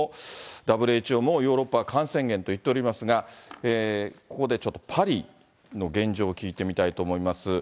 ＷＨＯも、ヨーロッパが感染源と言っておりますが、ここでちょっとパリの現状を聞いてみたいと思います。